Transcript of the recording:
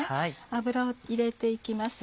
油を入れて行きます。